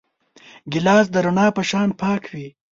ګیلاس د رڼا په شان پاک وي.